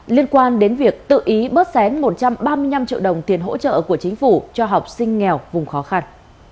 liên quan đến việc tự ý bớt xén một trăm ba mươi năm triệu đồng tiền hỗ trợ của chính phủ cho học sinh nghèo vùng khó khăn